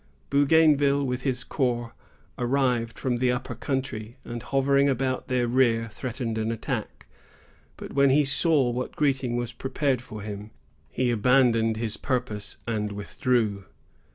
Bougainville, with his corps, arrived from the upper country, and, hovering about their rear, threatened an attack; but when he saw what greeting was prepared for him, he abandoned his purpose and withdrew.